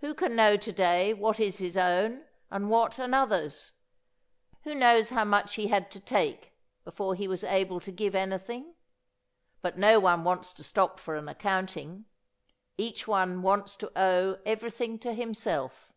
Who can know to day what is his own and what another's? Who knows how much he had to take before he was able to give anything? But no one wants to stop for an accounting. Each one wants to owe everything to himself.